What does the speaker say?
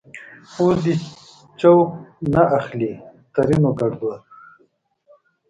اوس دې چوک نه اخليں؛ ترينو ګړدود